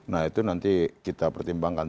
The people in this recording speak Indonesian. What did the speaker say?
nah itu nanti kita pertimbangkan